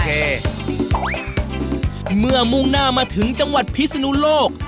เมื่อมุ่งหน้ามาถึงจังหวัดพิศนุโลก